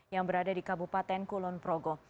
yang berada di kabupaten kulonprogo